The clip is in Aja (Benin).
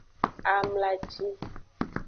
Amlaci.